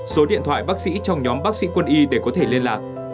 số điện thoại bác sĩ trong nhóm bác sĩ quân y để có thể liên lạc